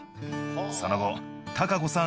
その後孝子さん